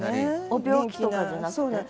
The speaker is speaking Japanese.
お病気とかじゃなくて？